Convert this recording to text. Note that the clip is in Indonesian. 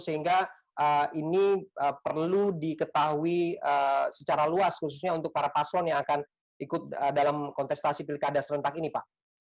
sehingga ini perlu diketahui secara luas khususnya untuk para paslon yang akan ikut dalam kontestasi pilkada serentak ini pak